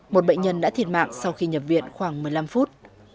một bệnh nhân đã thiệt mạng sau khi nhập viện khoảng một mươi năm phút